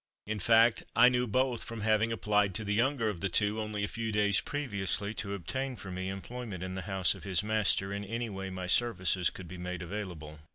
In fact, I knew both from having applied to the younger of the two, only a few days previously, to obtain for me employment in the house of his master, in any way my services could be made available.